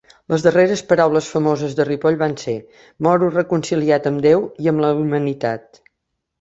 Les darreres paraules famoses de Ripoll van ser: "moro reconciliat amb deu i amb la humanitat".